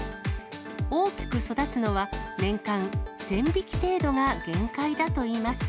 大きく育つのは年間１０００匹程度が限界だといいます。